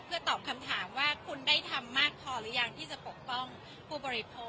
เพื่อตอบคำถามว่าคุณได้ทำมากพอหรือยังที่จะปกป้องผู้บริโภค